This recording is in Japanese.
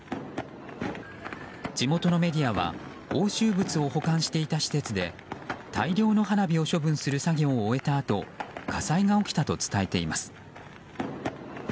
地元のメディアは押収物を保管していた施設で大量の花火を処分する作業を終えたあと火災が起きたと伝えています。